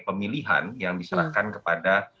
pemilihan yang diserahkan kepada